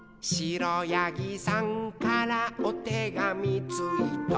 「くろやぎさんからおてがみついた」